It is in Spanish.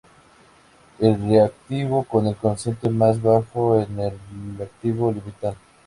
El reactivo con el cociente más bajo es el reactivo limitante.